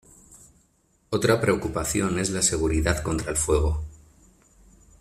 Otra preocupación es la seguridad contra el fuego.